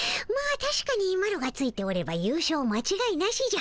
たしかにマロがついておればゆう勝まちがいなしじゃ。